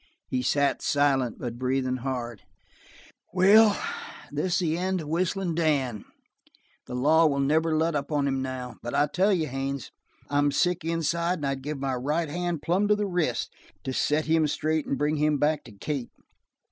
He sat silent, but breathing hard. "Well, this is the end of Whistlin' Dan. The law will never let up on him now; but I tell you, Haines, I'm sick inside and I'd give my right hand plumb to the wrist to set him straight and bring him back to Kate.